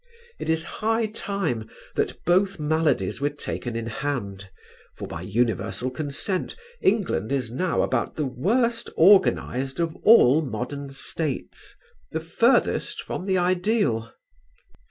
It is high time that both maladies were taken in hand, for by universal consent England is now about the worst organized of all modern States, the furthest from the ideal.